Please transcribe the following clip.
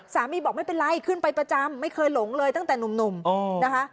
บอกไม่เป็นไรขึ้นไปประจำไม่เคยหลงเลยตั้งแต่หนุ่มนะคะ